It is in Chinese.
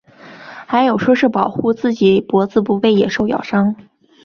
还有说是保护自己脖子不被野兽咬伤。